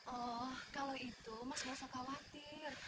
oh kalau itu mas gak usah khawatir